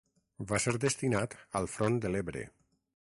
Va ser destinat al front de l'Ebre.